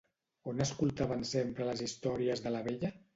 On escoltaven sempre les històries de la vella?